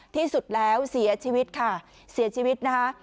ที่สุดแล้วเสียชีวิตค่ะเสียชีวิตนะคะ